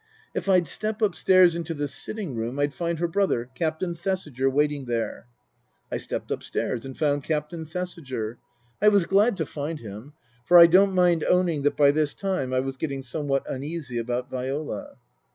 If I'd step upstairs into the sitting room I'd find her brother, Captain Thesiger, waiting there. I stepped upstairs and found Captain Thesiger. I was glad to find him, for I don't mind owning that by this time I was getting somewhat uneasy about Viola.